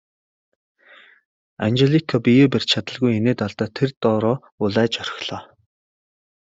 Анжелика биеэ барьж чадалгүй инээд алдаад тэр дороо улайж орхилоо.